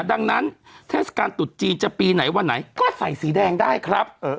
ดังนั้นเทศกาลตุดจีนจะปีไหนวันไหนก็ใส่สีแดงได้ครับ